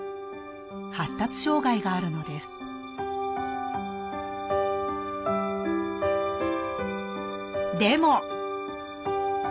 発達障害があるのですでも！